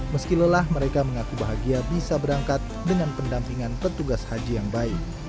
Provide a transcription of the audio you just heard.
meski lelah mereka mengaku bahagia bisa berangkat dengan pendampingan petugas haji yang baik